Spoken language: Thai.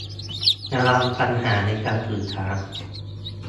ระวังปัญหาในการสื่อสาร